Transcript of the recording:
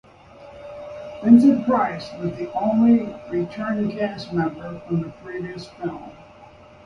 Vincent Price was the only returning cast member from the previous film.